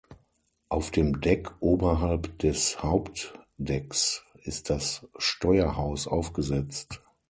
Auf dem Deck oberhalb des Hauptdecks ist das Steuerhaus aufgesetzt.